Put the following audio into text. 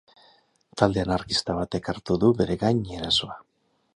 Talde anarkista batek hartu du bere gain erasoa.